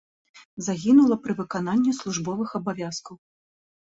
Загінула пры выкананні службовых абавязкаў.